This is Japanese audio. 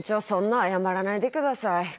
そんな謝らないでください。